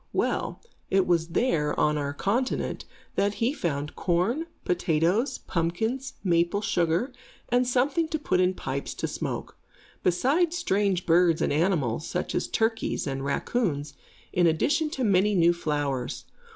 Well, it was here, on our continent, that he found corn, potatoes, pumpkins, maple sugar, and something to put in pipes to smoke; besides strange birds and animals, such as turkeys and raccoons, in addition to many new flowers.